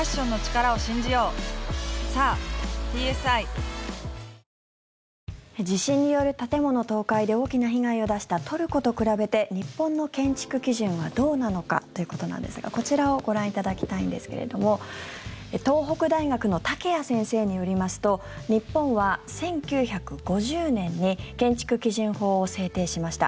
東京海上日動地震による建物倒壊で大きな被害を出したトルコと比べて日本の建築基準はどうなのかということなんですがこちらをご覧いただきたいんですけれども東北大学の竹谷先生によりますと日本は１９５０年に建築基準法を制定しました。